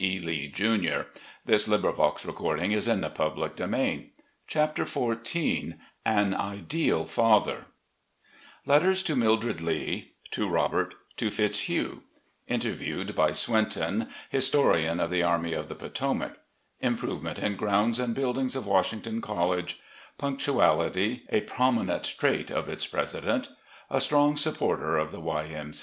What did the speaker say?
a year before her death she seemed in good health and spirits. CHAPTER XIV An Ideal Father ^letters to MILDRED LEE — TO ROBERT — TO PITZHUGH — INTERVIEWED BY SWINTON, HISTORIAN OF THE ARMY OF THE POTOMAC — ^IMPROVEMENT IN GROUNDS AND BUILDINGS OP WASHINGTON COLLEGE — PUNCTUALITY A PROMINENT TRAIT OP ITS PRESIDENT — A STRONG SUPPORTER OF THE Y. M.